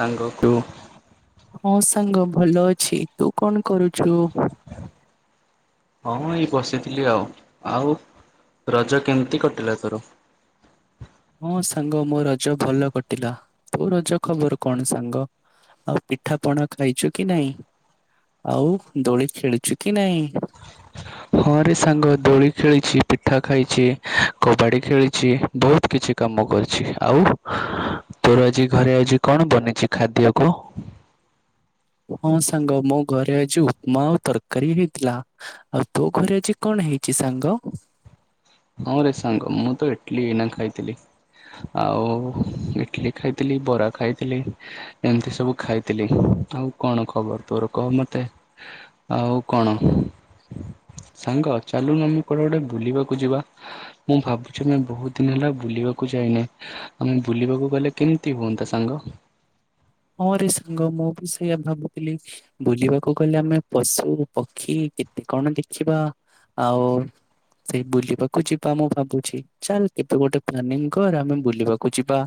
ସାଙ୍ଗକୁ ହଁ ସାଙ୍ଗ ଭଲ ଅଛି ତୁ କଣ କରୁଛୁ? ହଁ ଏଇ ବସିଥିଲି ଆଉ ଆଉ ରଜ କେମିତି କଟିଲା ତୋର? ହଁ ସାଙ୍ଗ ମୋ ରଜ ଭଲ କଟିଲା ତୋ ରଜ ଖବର କଣ ସାଙ୍ଗ ଆଉ ପିଠାପଣା ଖାଇଛୁ କି ନାହିଁ ହିଁ ଆଉ ଦୋଳି ଖେଳୁଛୁ କି ନାଇଁ ହଁରେ ସାଙ୍ଗ ଦୋଳି ଖେଳିଛି ପିଠା ଖାଇଛି କବାଡ଼ି ଖେଳିଛି ବହୁତ କିଛି କାମ କରିଛି ଆଉ ତୋର ଆଜି ଘରେ ଆଜି କଣ ବନିଛି ଖାଦ୍ୟକୁ ହଁ ସାଙ୍ଗ ମୋ ଘରେ ଆଜି ଉପମା ଆଉ ତରକାରୀ ହେଇଥିଲା ଆଉ ତୋ ଘରେ ଆଜି କଣ ହେଇଛି ସାଙ୍ଗ? ହ ରେ ସାଙ୍ଗ ମୁଁ ତ ଇଟିଲି ଏଇନା ଖାଇଥିଲି ଆଉ ଇଟିଲି ଖାଇଥିଲି ବରା ଖାଇଥିଲି ଏମିତି ସବୁ ଖାଇଥିଲି ଆଉ କଣ ଖବର ତୋର କହ ମତେ ଆଉ କଣ ସାଙ୍ଗ ଚାଲୁନ ଆମେ କୁଆଡେ ଗୋଟେ ବୁଲିବାକୁ ଯିବା ମୁଁ ଭାବୁଛି ମୁ ବହୁତ ଦିନ ହେଲା ବୁଲିବାକୁ ଯାଇନି ଆମେ ବୁଲିବାକୁ ଗଲେ କେମିତି ହୁଅନ୍ତା ସାଙ୍ଗ ମୋରି ସାଙ୍ଗ ମୁଁ ବି ସେଇୟଆ ଭାବୁଥିଲି ବୁଲିବାକୁ ଗଲେ ଆମେ ପଶୁ ପକ୍ଷୀ କେତେ କଣ ଦେଖିବା ଆଉ ସେ ବୁଲିବାକୁ ଯିବା ମୁଁ ଭାବୁଛି ଚାଲ କେତ ଗୋଟେ ପ୍ଲାନିଂ କର ଆମେ ବୁଲିବାକୁ ଯିବା।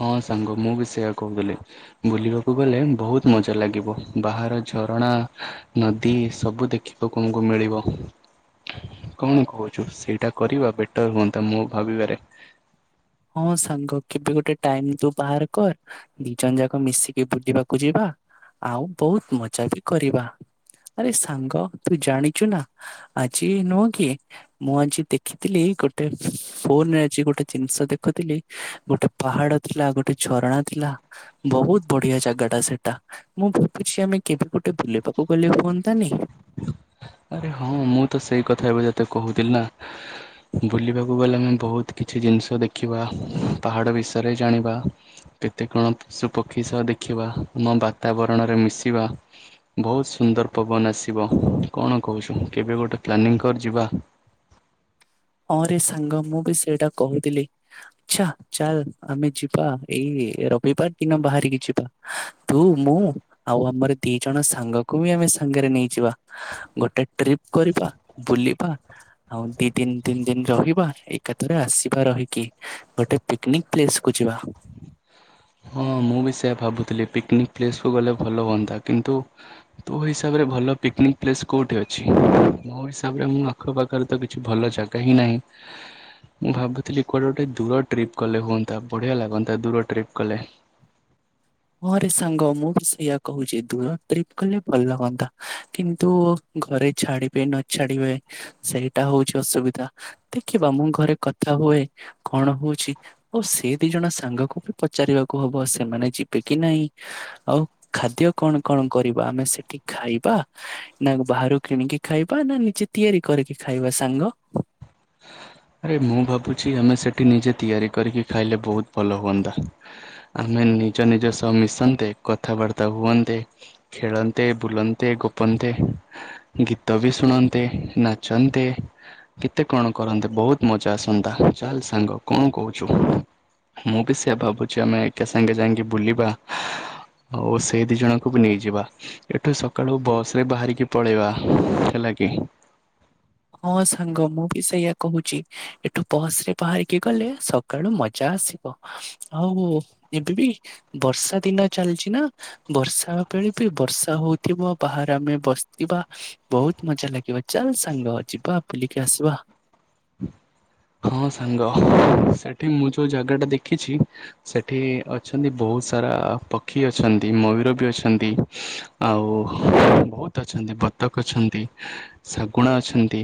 ହଁ ସାଙ୍ଗ ମୁଁ ବି ସେଇଆ କହୁଥିଲି ବୁଲିବାକୁ ଗଲେ ବହୁତ ମଜା ଲାଗିବ ବାହାର ଝରଣା ନଦୀ ସବୁ ଦେଖୀ ଲୋକଙ୍କୁ ମିଳିବ କଣ କହୁଛୁ ସେଇଟା କରିବା ବେଟର ହୁଅନ୍ତା ମୁଁ ଭାବିବାରେ ହଁ ସାଙ୍ଗ କେବେ ଗୋଟେ ଟାଇମ ତୁ ବାହାର କର ଦି ଜଣ ଯାକ ମିଶିକି ବୁଲିବାକୁ ଯିବା ଆଉ ବହୁତ ମଜା ବି କରିବା ଆରେ ସାଙ୍ଗ ତୁ ଜାଣିଛୁ ନା ଆଜି ନୁହଁ କି ମୁଁ ଆଜି ଦେଖିଥିଲି ଗୋଟେ ଫୋନରେ ଆଜି ଗୋଟେ ଜିନିଷ ଦେଖ କଥିଲି ଗୋଟେ ପାହାଡ ଥିଲା ଗୋଟେ ଝରଣା ଥିଲା ବହୁତ ବଢିଆ ଜାଗା ଟା ସେଟା। ମୁଁ ଭାବୁଛି ଆମେ କେବେ ଗୋଟେ ବୁଲିବାକୁ ଗଲେ ହୁଅନ୍ତାନି। ଆରେ ହଁ ମୁଁ ତ ସେଇ କଥା ଏବେ ଯେତେ କହୁଥିଲି ନା ବୁଲିବାକୁ ଗଲେ ଆମେ ବହୁତ କିଛି ଜିନିଷ ଦେଖିବା ପାହାଡ ବିଷୟରେ ଜାଣିବା। କେତେ କଣ ପଶୁପକ୍ଷୀ ସହ ଦେଖିବା ଆମ ବାତାବରଣରେ ମିଶିବା। ବହୁତ ସୁନ୍ଦର ପବନ ଆସିବ କଣ କହୁଛୁ କେବେ ଗୋଟେ ପ୍ଲାନିଂ କରି ଯିବା। ହଁ ରେ ସାଙ୍ଗ ମୁଁ ବି ସେଇଟା କହୁଥିଲି। ଆଛା ଚାଲ ଆମେ ଯିବା ଏଇ ରବିବାର ଦିନ ବାହାରିକି ଯିବା। ତୁ ମୁଁ ଆଉ ଆମର ଦି ଜଣ ସାଙ୍ଗକୁ ବି ଆମେ ସାଙ୍ଗରେ ନେଇଯିବା ଗୋଟେ ଟ୍ରିପ କରିବା ବୁଲିବା ଆଉ ଦି ଦିନ ତିନ ଦିନ ରହିବା ଏକାଥରେ ଆସିବା ରହିକି ଗୋଟେ ପିକନିକ ପ୍ଲେସକୁୁ ଯିବା। ହଁ ମୁଁ ବି ସେୟା ଭାବୁଥିଲି ପିକନିକ ପ୍ଲେସକୁୁ ଗଲେ ଭଲ ହୁଅନ୍ତା କିନ୍ତୁ ତୋ ହିସାବରେ ଭଲ ପିକନିକ୍ ପ୍ଲେସ୍ କୋଉଠି ଅଛି ମୋ ହିସାବରେ ମୁଁ ଆଖ ପାାଖରେ ତ କିଛି ଭଲ ଜାଗା ହିଁ ନାହିଁ। ମୁଁ ଭାବୁଥିଲି କୁଆଡେ ଗୋଟେ ଦୂର ଟ୍ରିପ କଲେ ହୁଅନ୍ତା ବଢିଆ ଲାଗନ୍ତା ଦୂର ଟ୍ରିପ କଲେ। ହଁରେ ସାଙ୍ଗ ମୁଁ ବି ସେଇୟା କହୁଛି ଦୂର ଟ୍ରିପ କଲେ ଭଲ ହୁଅନ୍ତା କିନ୍ତୁ ଘରେ ଛାଡିବେ ନଛାଡିବେ ସେଇଟା ହଉଛି ଅସୁବିଧା। ଦେଖିବା ମୁଁ ଘରେ କଥା ହୁଏ କଣ ହଉଛି ଆଉ ସେ ଦି ଜଣ ସାଙ୍ଗକୁ ବି ପଚାରିବାକୁ ହବ ସେମାନେ ଯିବେ କି ନାହିଁ ଆଉ ଖାଦ୍ୟ କଣ କଣ କରିବା ଆମେ ସେଠି ଖାଇବା ନା ବାହାରୁ କିଣିକି ଖାଇବା ନା ନିଜେ ତିଆରି କରିକି ଖାଇବା ସାଙ୍ଗ। ଆରେ ମୁଁ ଭାବୁଛି ଆମେ ସେଇଠି ନିଜେ ତିଆରି କରିକି ଖାଇଲେ ବହୁତ ଭଲ ହୁଅନ୍ତା। ଆମେ ନିଜ ନିଜ ସହ ମିଶନ୍ତେ କଥାବାର୍ତ୍ତା ହୁଅନ୍ତେ। ଖେଳନ୍ତେ ବୁଲନ୍ତେ ଗୋପନ୍ତେ ଗୀତ ବି ଶୁଣନ୍ତେ ନାଚନ୍ତେ କେତେ କଣ କରନ୍ତେ ବହୁତ ମଜା ଆସନ୍ତା ଚାଲ ସାଙ୍ଗ କଣ କହୁଛୁ? ମୁଁ ବି ସେ ଭାବୁଛି ଆମେ ଏକା ସାଙ୍ଗେ ଯାଇକି ବୁଲିବା। ହଉ ସେଇ ଦି ଜଣଙ୍କୁ ବି ନେଇଯିବା। ଏଠୁ ସକାଳୁ ବସ ରେ ବାହାରିକି ପଳେଇବା ହେଲା କି ହଁ ସାଙ୍ଗ ମୁଁ ବି ସେଇୟା କହୁଛି ଏଠୁ ବସ ରେ ବାହାରିକି ଗଲେ ସକାଳୁ ମଜା ଆସିବ। ଆଉ ଏବେ ବି ବର୍ଷା ଦିନ ଚାଲିଛି ନା ବର୍ଷା ବେଳେ ବି ବର୍ଷା ହଉଥିବ ବାହାରେ ଆମେ ବସିଥିବା ବହୁତ ମଜା ଲାଗିବ ଚାଲ ସାଙ୍ଗ ଯିବା ବୁଲିକି ଆସିବା। ହଁ ସାଙ୍ଗ ସେଠି ମୁଁ ଯୋଉ ଜାଗା ଟା ଦେଖିଛି ସେଠି ଅଛନ୍ତି ବହୁତ ସାରା ପକ୍ଷୀ ଅଛନ୍ତି ମୟୂର ବି ଅଛନ୍ତି। ଆଉ ବହୁତ ଅଛନ୍ତି ବତକ ଅଛନ୍ତି। ଶାଗୁଣା ଅଛନ୍ତି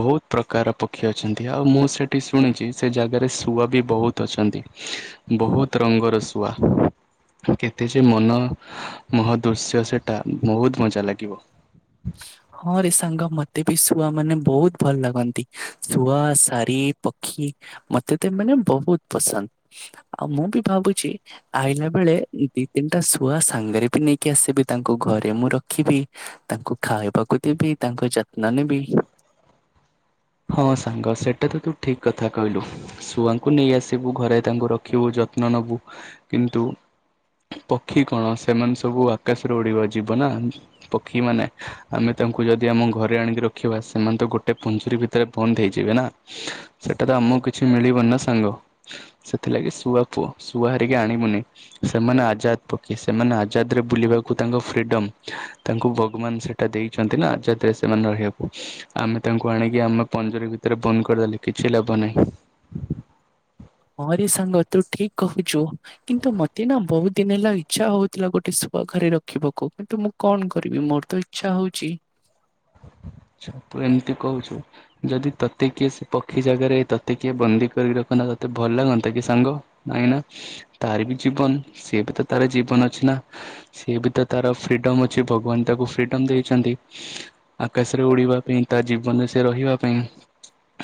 ବହୁତ ପ୍ରକାର ପକ୍ଷୀ ଅଛନ୍ତି ଆଉ ମୁଁ ସେ ସେଠି ଶୁଣିଛି ସେ ଜାଗାରେ ଶୁଆ ବି ବହୁତ ଅଛନ୍ତି। ବହୁତ ରଙ୍ଗର ଶୁଆ। କେତେ ଯେ ମନ ମୋହ ଦୃଶ୍ୟ ସେଇଟା ବହୁତ ମଜା ଲାଗିବ। ହଁ ରେ ସାଙ୍ଗ ମତେ ବି ଶୁଆ ମାନେ ବହୁତ ଭଲ ଲାଗନ୍ତି ଶୁଆ ସାରି ପକ୍ଷୀ ମତେ ତ ଏମାନେ ବହୁତ ପସନ୍ଦ ଆଉ ମୁଁ ବି ଭାବୁଛି ଆଇଲା ବେଳେ ଦି ତିନିଟା ଶୁଆ ସାଙ୍ଗରେ ବି ନେଇକି ଆସିବି ତାଙ୍କୁ ଘରେ ମୁଁ ରଖିବି ତାଙ୍କୁ ଖାଇବାକୁ ଦେବି ତାଙ୍କ ଯତ୍ନ ନେବି ହଁ ସାଙ୍ଗ ସେଟା ତ ତୁ ଠିକ କଥା କହିଲୁ। ଶଛୁଆଙ୍କୁ ନେଇ ଆସିବୁ ଘରେ ତାଙ୍କୁ ରଖିବୁ ଯତ୍ନ ନବୁ କିନ୍ତୁ ପକ୍ଷୀ କଣ ସେମାନେ ସବୁ ଆକାଶରେ ଉଡିବା ଯିବ ନା ପକ୍ଷୀ ମାନେ ଆମେ ତାଙ୍କୁ ଯଦି ଆମ ଘରେ ଆଣିକି ରଖିବା ସେମାନେ ତ ଗୋଟେ ପୁଞ୍ଜୁରୀ ଭି ରେ ବନ୍ଦ ହେଇଯିବେ ନା ସେଟା ତ ଆମକୁ କିଛି ମିଳିବନି ନା ସାଙ୍ଗ। ସେଥିଲାଗି ଶୁଆ ପୁଅ ଶୁଆ ହରିକି ଆଣିବୁନି। ସେମାନେ ଆଜାଦ ପକ୍ଷୀ ସେମାନେ ଆଜାଦ ରେ ବୁଲିବାକୁ ତାଙ୍କ ଫ୍ରିଡମ ତାଙ୍କୁ ଭଗବାନ ସେ ଟା ଦେଇଛନ୍ତି ନା ଯଦରେ ସେମାନେ ରହିବାକୁ ଆମେ ତାଙ୍କୁ ଆଣିକି ଆମେ ପଞ୍ଜୁରୀ ଭିତରେ ବନ୍ଦ କରିଦେଲି କିଛି ଲାଭ ନାହିଁ। ହଁରେ ସାଙ୍ଗ ତୁ ଠିକ କହୁଛୁ କିନ୍ତୁ ମତେ ନା ବହୁତ ଦିନ ହେଲା ଇଚ୍ଛା ହଉଥିଲା ଗୋଟେ ଶୁଆ ଘରେ ରଖିବାକୁ। କିନ୍ତୁ ମୁଁ କଣ କରିବି ମୋର ତ ଇଚ୍ଛା ହଉଛି। ଛ ତୁ ଏମତି କହୁଛୁ ଯଦି ତତେ କିଏ ସେ ପକ୍ଷୀ ଜାଗାରେ ତୋତେ କିଏ ବନ୍ଦୀ କରିକି ରଖନ୍ତା ତୋତେ ଭଲ ଲାଗନ୍ତା କି ସାଙ୍ଗ? ନାଇଁ ନା ତାର ବି ଜୀବନ ସିଏ ବି ତ ତାର ଜୀବନ ଅଛି ନା। ସିଏ ବି ତ ତାର ଫ୍ରିଡମ ଅଛି ଭଗବାନ ତାକୁ ଫ୍ରିଡମ ଦେଇଛନ୍ତି। ଆକାଶରେ ଉଡିବା ପାଇଁ ତା ଜୀବନରେ ସେ ରହିବା ପାଇଁ।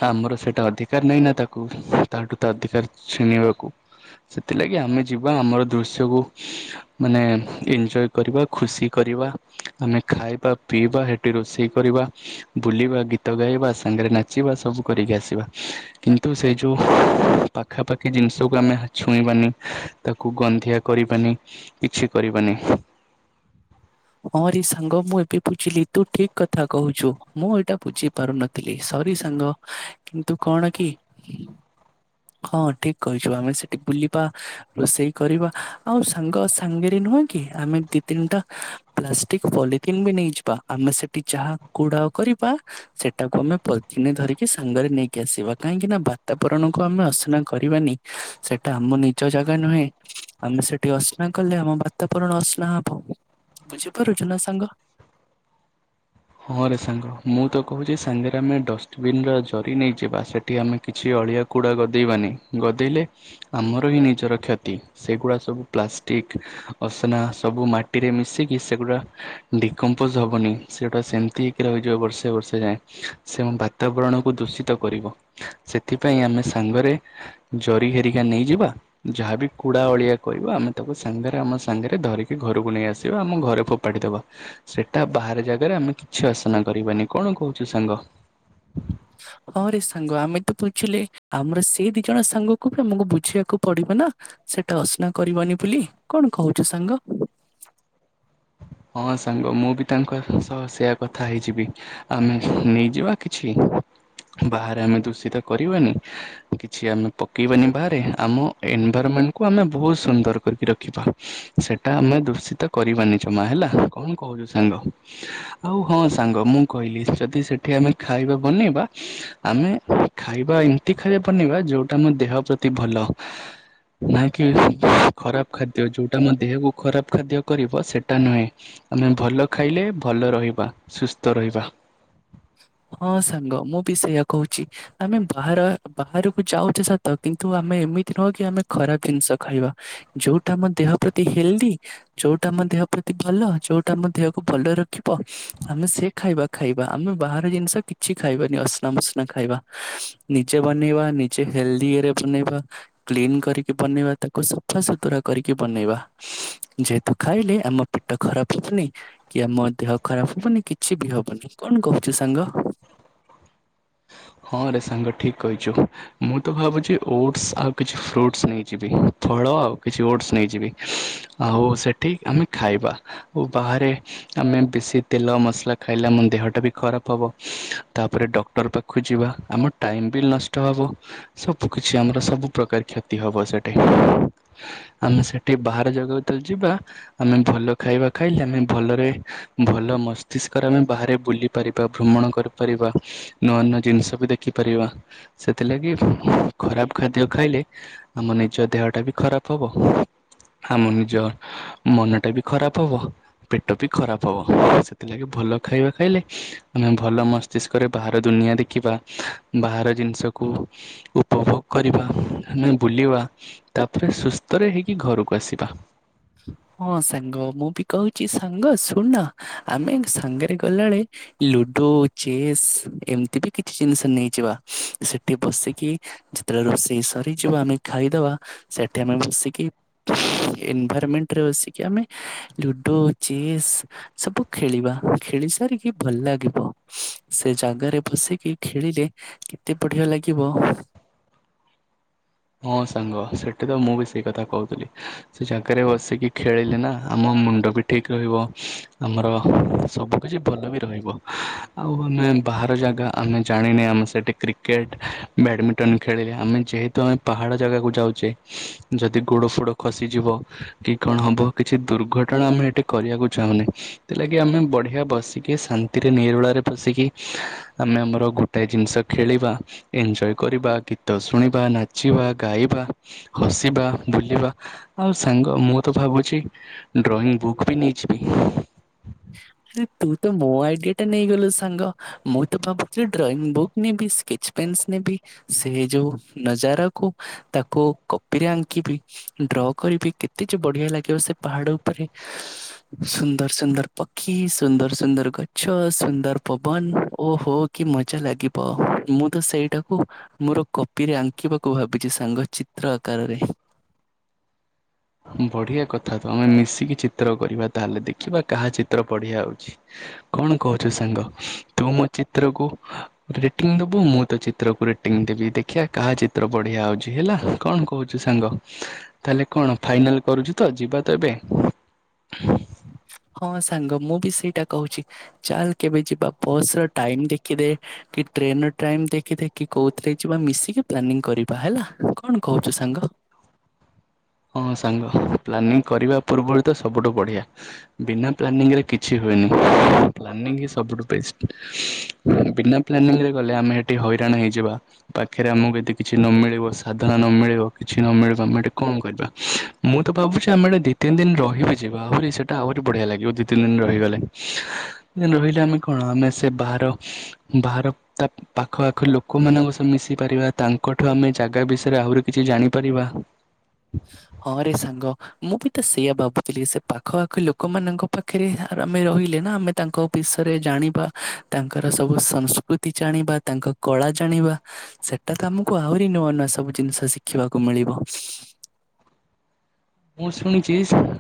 ଆମର ସେଇଟା ଅଧିକାର ନାଇଁ ନା ତାକୁ ତାଠୁ ତା ଅଧିକାର ଛିନିବାକୁ। ସେଥିଲାଗି ଆମେ ଯିବା ଆମର ଦୃଶ୍ୟକୁ ମାନେ ଇଞ୍ଜୋୟ୍ କରିବା ଖୁସି କରିବା ଆମେ ଖାଇବା ପିଇବା ସେଠି ରୋଷେଇ କରିବା ବୁଲିବା ଗୀତ ଗାଇବା ସାଙ୍ଗରେ ନାଚିବା ସବୁ କରିକି ଆସିବା। କିନ୍ତୁ ସେ ଯୋଉ ପାଖାପାଖି ଜିନିଷକୁ ଆମେ ଛୁଇଁବାନି। ତାକୁ ଗନ୍ଧିଆ କରିବାନି କିଛି କରିବାନି। ହଁ ରେ ସାଙ୍ଗ ମୁଁ ଏବେ ବୁଝିଲି ତୁ ଠିକ କଥା କହୁଛୁ। ମୁଁ ଏଇଟା ବୁଝି ପାରୁନଥିଲି ସରି ସାଙ୍ଗ କିନ୍ତୁ କଣ କି ହଁ ଠିକ କହିଛୁ ଆମେ ସେଠି ବୁଲିବା ରୋଷେଇ କରିବା ଆଉ ସାଙ୍ଗ ସାଙ୍ଗରେ ନୁହେଁ କି ଆମେ ଦି ତିନିଟା ପ୍ଲାଷ୍ଟିକ ପଲିନ୍ ବି ନେଇଯିବା ଆମେ ସେଠି ଯାହା କୁଡ କରିବା ସେଟାକୁ ଆମେ ପଲ୍ଥିନ ରେ ଧରିକି ସାଙ୍ଗରେ ନେଇକି ଆସିବା କାହିଁକି ନା ବାତାବରଣ କକୁ ଆମେ ଅସନା କରିବାନି। ସେଟା ଆମ ନିଜ ଜାଗା ନୁହେଁ। ଆମେ ସେଠି ଅସ୍ନା କଲେ ଆମ ବାତାବରଣ ଅସ୍ନା ହବ ବୁଝିପାରୁଛୁ ନା ସାଙ୍ଗ। ହଁ ରେ ସାଙ୍ଗ ମୁଁ ତ କହୁଛି ସାଙ୍ଗରେ ଆମେ ଡଷ୍ଟବିନ ର ଜରି ନେଇଯିବା ସେ ଏଠି ଆମେ କିଛି ଅଳିଆ କୁଡ଼ା ଗଦେଇବାନି ଗଦେଇଲେ ଆମର ହିଁ ନିଜର କ୍ଷତି ସେଗୁଡା ସବୁ ପ୍ଲାଷ୍ଟିକ ଅସନା ସବୁ ମାଟିରେ ମିଶିକି ସେଗୁଡା ଡିକମ୍ପୋଜ ହବନି ସେ ଟା ସେମିତି ହେଇି ରହିଯିବ ବର୍ଷେ ବର୍ଷେ ଯାଏଁ ସେ ବାତାବରଣକୁ ଦୂଷିତ କରିବ। ସେଥିପାଇଁ ଆମେ ସାଙ୍ଗରେ ଜରି ଘେରିକା ନେଇଯିବା ଯାହାବି କୁଡା ଅଳିଆ କହିବ ଆମେ ତାକୁ ସାଙ୍ଗରେ ଆମ ସାଙ୍ଗରେ ଧରିକି ଘରକୁ ନେଇ ଆସିବା ଆମ ଘରେ ଫୋ ପାଡିଦେବା ସେଟା ବାହାରେ ଯା ଆରେ ଆମେ କିଛି ଆସନା କରିବାନି କଣ କହୁଛୁ ସାଙ୍ଗ? ହଁ ରେ ସାଙ୍ଗ ଆମେ ତ ବୁଝିଲେ ଆମର ସେଇ ଦି ଜଣ ସାଙ୍ଗକୁ ବି ଆମକୁ ବୁଝିବାକୁ ପଡିବ ନା। ସେଟା ଅସ୍ନା କରିବନି ବୋଲି କଣ କହୁଛୁ ସାଙ୍ଗ? ହଁ ସାଙ୍ଗ ମୁଁ ବି ତାଙ୍କ ସହ ସେୟା କଥା ହେଇଯିବି। ଆମେ ନେଇଯିବା କିଛି ବାହାରେ ଆମେ ଦୂଷିତ କରିବାନି କିଛି ଆମେ ପକେଇବାନି ବାହାରେ ଆମ ଏନଭରମେଣ୍ଟକୁ ଆମେ ବହୁତ ସୁନ୍ଦର କରିକି ରଖିବା। ସେଟା ଆମେ ଦୂଷିତ କରିବାନି ଜମା ହେଲା କଣ କହୁଛୁ ସାଙ୍ଗ? ଆଉ ହଁ ସାଙ୍ଗ ମୁଁ କହିଲି ଯଦି ସେଠି ଆମେ ଖାଇବା ବନେଇବା ଆମେ ଖାଇବା ଏମତି ଖାଇବା ବନେଇବା ଯୋଉଟା ଆମ ଦେହ ପ୍ରତି ଭଲ ନାଇଁ କି ଖରାପ ଖାଦ୍ୟ ଯୋଉଟା ମୋ ଦେହକୁ ଖରାପ ଖାଦ୍ୟ କରିବ ସେ ସେଟା ନୁହେଁ ଆମେ ଭଲ ଖାଇଲେ ଭଲ ରହିବା ସୁସ୍ଥ ରହିବା। ହଁ ସାଙ୍ଗ ମୁଁ ବି ସେୟା କହୁଛି। ଆମେ ବାହାର ବାହାରକୁ ଯାଉଛେ ସତ କିନ୍ତୁ ଆମେ ଏମିତି ନହ କି ଆମେ ଖରାପ ଜିନିଷ ଖାଇବା। ଯୋଉଟା ଆମ ଦେହ ପ୍ରତି ହେଲ୍ଦି। ଯୋଉଟା ଆମ ଦେହ ପ୍ରତି ଭଲ ଯୋଉଟା ଆମ ଦେହକୁ ଭଲ ରଖିବ ଆମେ ସେ ଖାଇବା ଖାଇବା। ଆମେ ବାହାର ଜିନିଷ କିଛି ଖାଇବାନି ଅସ୍ନା ବସ୍ନା ଖାଇବା ନିଜେ ବନେଇବା ନି ହେଲଦି ରେ ବନେଇବା କ୍ଲିନ କରିକି ବନେଇବା ତାକୁ ସଫା ସୁତୁରା କରିକି ବନେଇବା। ଯେହେତୁ ଖାଇଲେ ଆମ ପେଟ ଖରାପ ହବନି। କି ଆମ ଦେହ ଖରାପ ହବନି କିଛି ବି ହବନି କଣ କହୁଛୁ ସାଙ୍ଗ? ହଁ ରେ ସାଙ୍ଗ ଠିକ କହିଛୁ। ମୁଁ ତ ଭାବୁଛି ଓଟ୍ସ ଆଉ କିଛି ଫ୍ରୁଟ୍ସ ନେଇଯିବି ଫଳ ଆଉ କିଛି ଓଟସ ନେଇଯିବି। ଆଉ ସେଠି ଆମେ ଖାଇବା ଆଉ ବାହାରେ ଆମେ ବେଶୀ ତେଲ ମସଲା ଖାଇଲେ ଆମ ଦେହଟା ବି ଖରାପ ହବ ତାପରେ ଡକ୍ଟର ପାଖ ପାଖକୁ ବି ଯିବା ଆମ ଟାଇମ୍ ବି ନଷ୍ଟ ହେବ। ସବୁ କିଛି ଆମର ସବୁ ପ୍ରକାର କ୍ଷତି ହବ ସେଠି। ଆମେ ସେଠି ବାହାର ଜାଗାକୁ ଯେତେବେଳେ ଯିବା ଆମେ ଭଲ ଖାଇବା ଖାଇଲେ ଆମେ ଭଲରେ ଭଲ ମସ୍ତିଷ୍କରେ ଆମେ ବାହାରେ ବୁଲି ପାରିବା ଭ୍ରମଣ କରିପାରିବା ନୂଆ ନୂଆ ଜିନିଷକୁ ଦେଖିପାରିବା ସେଥିଲାଗି ଖରାପ ଖାଦ୍ୟ ଖାଇଲେ ଆମ ନିଜ ଦେହ ଟା ବି ଖରାପ ହବ ଆମ ନିଜ ମନ ଟା ବି ଖରାପ ହବ। ପେଟ ବି ଖରାପ ହବ ସେଥିଲାଗି ଭଲ ଖାଇବା ଖାଇଲେ ଆମେ ଭଲ ମସ୍ତ ବିଶେଷ କରି ବାହାର ଦୁନିଆ ଦେଖିବା ବାହାର ଜିନିଷକୁ ଉପଭୋଗ କରିବା। ଆମେ ବୁଲିବା ତାପରେ ସୁସ୍ଥରେ ହେଇକି ଘରକୁ ଆସିବା। ହଁ ସାଙ୍ଗ ମୁଁ ବି କହୁଛି ସାଙ୍ଗ ଶୁଣନା ଆମେ ସାଙ୍ଗରେ ଗଲା ବେଳେ ଲୁଡୋ ଚେସ୍ ଏମିତି ବି କିଛି ଜିନିଷ ନେଇଯିବା ସେଠି ବସିକି ଯେତେବେଳେ ରୋଷେଇ ସରିଯିବ ଆମେ ଖାଇଦବା ସେଠି ଆମେ ବସିକି ଏନଭରମେଣ୍ଟ ରେ ବସିକି ଆମେ ଲୁଡୋ ଚେସ୍ ସବୁ ଖେଳିବା ଖେଳି ସାରିକି ଭଲ ଲାଗିବ ସେ ଜାଗାରେ ବସିକି ଖେଳିଲେ କେତେ ବଢ଼ିଆ ଲାଗିବ। ହଁ ସାଙ୍ଗ ସେଠି ତ ମୁଁ ବି ସେଇ କଥା କହୁଥିଲି। ସେ ଜାଗାରେ ବସିକି ଖେଳିଲେ ନା ଆମ ମୁଣ୍ଡ ବି ଠିକ ରହିବ ଆମର ସବୁ ଭଲ ବି ରହିବ ଆଉ ଆମେ ବାହାର ଜାଗା ଆମେ ଜାଣିନେ ଆମେ ସେଠି କ୍ରି କ୍ରେଟ ବ୍ୟାଡମିଣ୍ଟନ ଖେଳିଲେ ଆମେ ଯେ ତ ଆମେ ପାହାଡ଼ ଜାଗାକୁ ଯାଉଛେ ଯଦି ଗୋଡ଼ ଫୋଡ଼ ଖସିଯିବ ତେବେ କଣ ହେବ? କିଛି ଦୁର୍ଘଟଣା ଆମେ ଏଠି କରିବାକୁ ଚାହୁଁନି। ସେଥିଲାଗି ଆମେ ବଢିଆ ବସିକି ଶାନ୍ତିରେ ନିରୋଳାରେ ବସିକି ଆମେ ଆମର ଗୋ ଜିନିଷ ଖେଳିବା ଏଞ୍ଜୟ କରିବା ଗୀତ ଶୁଣିବା ନା ଚିବା ଗାଇବା ହସିବା ବୁଲିବା ଆଉ ସାଙ୍ଗ ମୁଁ ତ ଭାବୁଛି ଡ୍ରଇଂ ବୁକ୍ ବି ନେଇଯିବି। ଆରେ ତୁ ତ ମୋ ଆଇଡିଆ ଟା ନେଇଗଲୁ ସାଙ୍ଗ। ମୁଁ ତ ଭାବୁଥିଲି ଡ୍ରଇଂ ବୁକ୍ ନେବି ସ୍କେଚ ପେନ୍ସ ନେବି ସେ ଯୋଉ ନଯାରାକୁ ତାକୁ କପି ରେ ଆଙ୍କିବି। ଡ୍ର କରିବି କେତେ ଯେ ବଢିଆ ଲାଗିବ ସେ ପାହାଡ଼ ଉପରେ। ସୁନ୍ଦର ସୁନ୍ଦର ପକ୍ କି ସୁନ୍ଦର ସୁନ୍ଦର ଗଛ ସୁନ୍ଦର ପବନ ଓ ହୋ କି ମଜା ଲାଗି ତ ମୁଁ ତ ସେଇଟାକୁ ମୋର କପିରେ ଆଙ୍କିବାକୁ ଭାବିଛି ସାଙ୍ଗ ଚିତ୍ର ଆକାରରେ। ବଢିଆ କଥା ତ ଆମେ ମିଶିକି ଚିତ୍ର କରିବା ତାହେଲେ ଦେଖିବା କାହା ଚିତ୍ର ବଢିଆ ହଉଛି? କଣ କହୁଛୁ ସାଙ୍ଗ ତୁ ମୋ ଚିତ୍ରକୁ ରେଟିଂ ଦବୁ ମୁଁ ତ ଚିତ୍ରକୁ ରେଟିଂ ଦେବି ଦେଖିବା କାହା ଚିତ୍ର ବଢିଆ ହଉଛି ହେଲା। କଣ କହୁଛୁ ସାଙ୍ଗ ତାହେଲେ କଣ? ଫାଇନାଲ୍ କରୁଛୁ ତ ଯିବା ତ ଏବେ? ହଁ ସାଙ୍ଗ ମୁଁ ବି ସେଇଟା କହୁଛି ଚାଲ କେବେ ଯିବା ବସ ର ଟାଇମ ଦେଖିଦେ। କି ଟ୍ରେନ ର ଟାଇମ ଦେଖି ଦେ କୋଉଥିରେ ଯିବା ମିଶିକି ପ୍ଲାନିଂ କରିବା ହେଲା କଣ କହୁଛୁ ସାଙ୍ଗ। ହଁ ସାଙ୍ଗ ପ୍ଲାନିଂ କରିବା ପୂର୍ବରୁ ତ ସବୁଠୁ ବଢିଆ ବିନା ପ୍ଲାନିରେ କିଛି ହୁଏନି ପ୍ଲାନି ସବୁଠୁ ବେଷ୍ଟ। ବିନା ପ୍ଲାନିଂ ରେ ଗଲେ ଆମେ ହେଟି ହଇରାଣ ହେଇଯିବା। ପାଖରେ ଆମକୁ ଏଦି କିଛି ନ ମିଳିବ ସାଧନ ନ ମିଳିବ କିଛି ନ ମିଳିବ ଆମେ ଏଠି କଣ ମୁଁ ତ ଭାବୁଚି ଆମେ ଦି ତିନି ଦିନି ରହିବି ଯିବା ଆହୁରି ସେଟା ଆହୁରି ବଢିଆ ଲାଗିବ ଦି ତିନି ତିନି ରହି ଗଲେ। ରହିଲେ ଆମେ କଣ ଆମେ ସେ ବାହାର ବାହାର ତା ପାଖ ପାଖ ଲୋକମାନଙ୍କ ସ ମିଶି ପାରିବା ତାଙ୍କଠୁ ଆମେ ଜାଗା ବିଷୟରେ ଆହୁରି କିଛି ଜାଣିପାରିବା। ହଁ ରେ ସାଙ୍ଗ। ମୁଁ ବି ତ ସେଇୟା ଭାବୁଥିଲି ସେ ପାଖ ଆଖ ଲୋକମାନଙ୍କ ପାଖରେ ଆମେ ରହିଲେ ନା ଆମେ ତାଙ୍କ ବିଷୟରେ ଜାଣିବା ତାଙ୍କର ସବୁ ସଂସ୍କୃତି ଜାଣିବା ତାଙ୍କ କଳା ଜାଣିବା। ସେଟା ତ ଆମକୁ ଆହୁରି ନୂଆ ନୂଆ ସବୁ ଜିନିଷ ଶିଖିବାକୁ ମିଳିବ। ମୁଁ ଶୁଣିଚି